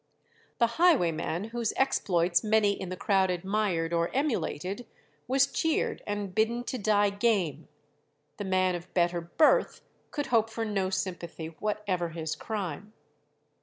The highwayman, whose exploits many in the crowd admired or emulated, was cheered and bidden to die game; the man of better birth could hope for no sympathy, whatever his crime.